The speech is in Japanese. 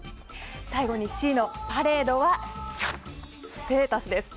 最後に、Ｃのパレードはステータスです。